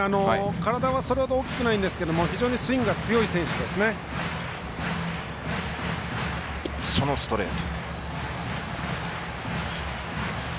体はそれほど大きくないんですがそのストレート。